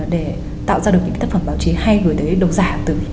để tạo ra được những tác phẩm báo chí hay gửi tới đồng giả từ